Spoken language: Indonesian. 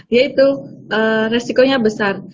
ya itu risikonya besar